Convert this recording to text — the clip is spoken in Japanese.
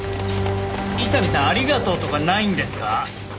伊丹さん「ありがとう」とかないんですか？